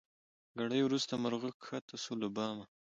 ګړی وروسته مرغه کښته سو له بامه